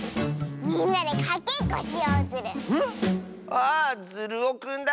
あズルオくんだ。